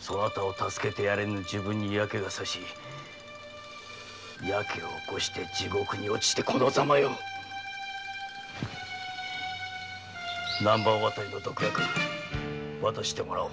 そなたを助けてやれぬ自分に嫌気がさしヤケを起こして地獄に落ちてこのザマよ南蛮渡りの毒薬渡してもらおう。